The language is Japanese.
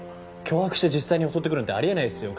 脅迫して実際に襲ってくるなんてあり得ないっすよ。